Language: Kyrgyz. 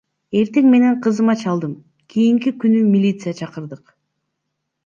Эртең менен кызыма чалдым, кийинки күнү милиция чакырдык.